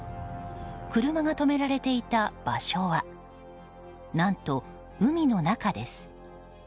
車が止められていた場所は何と、海の中です。